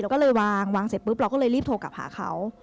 ก็เลยวางวางเสร็จปุ๊บเราก็เลยรีบโทรกลับหาเขา